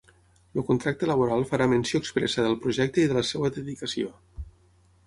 El contracte laboral farà menció expressa del projecte i de la seva dedicació.